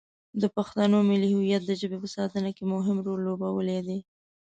د پښتنو ملي هویت د ژبې په ساتنه کې مهم رول لوبولی دی.